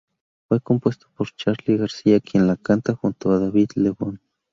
Fue compuesto por Charly García, quien lo canta junto a David Lebón.